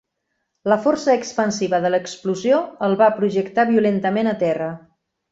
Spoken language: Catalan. La força expansiva de l'explosió el va projectar violentament a terra.